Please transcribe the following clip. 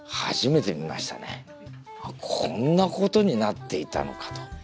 あっこんなことになっていたのかと。